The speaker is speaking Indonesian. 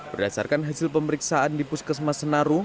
berdasarkan hasil pemeriksaan di puskesmas senaru